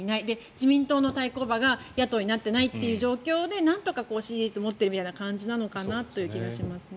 自民党の対抗馬が野党になってないという状況でなんとか支持率を持っているのかなという状況なのかなと思いますね。